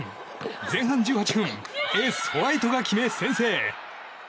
前半１８分エース、ホワイトが決め、先制。